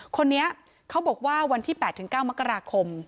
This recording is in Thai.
คนนี้เค้าบอกว่าวันที่๘๙มค